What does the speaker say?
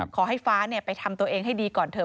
ฟ้าไปทำตัวเองให้ดีก่อนเถอ